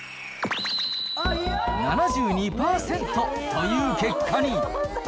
７２％という結果に。